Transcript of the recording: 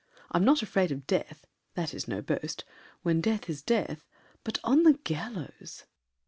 I'm not afraid of death—that is no boast— When death is death, but on the gallows!